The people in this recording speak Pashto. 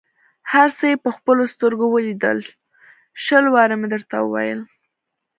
هر څه یې په خپلو سترګو ولیدل، شل وارې مې درته وویل.